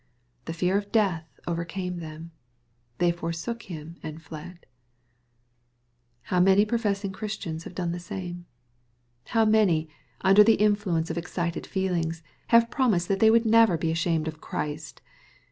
The fear of death overcame thenL They " for sook him, and fled/' ' How many professing Christians have done the same ? How many, under the influence of excited feelings, have promised that they would never be ashamed of Christ